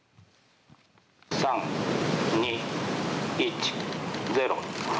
３、２、１、０。